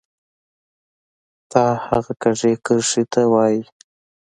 تا هغه کږې کرښې ته وایې